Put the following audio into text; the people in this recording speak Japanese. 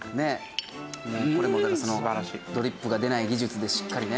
これもだからそのドリップが出ない技術でしっかりね。